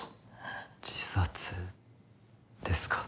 自殺ですか？